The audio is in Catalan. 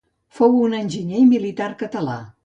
Fou un enginyer i militar català.